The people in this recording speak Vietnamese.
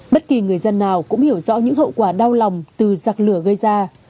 bất kỳ người dân nào cũng hiểu rõ những hậu quả đau lòng từ giặc lửa gây ra